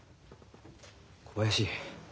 小林。